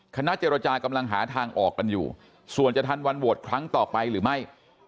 คณะเจรจากำลังหาทางออกกันอยู่ส่วนจะทันวันโหวตครั้งต่อไปหรือไม่